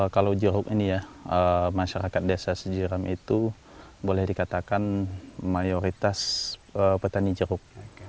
kalau jeruk ini ya masyarakat desa sejiram itu boleh dikatakan mayoritas petani jeruk